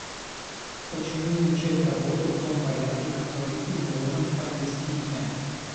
Почему не начать работу в том порядке, который изложен в повестке дня?